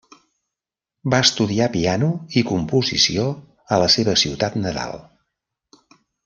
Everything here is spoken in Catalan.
Va estudiar piano i composició a la seva ciutat nadal.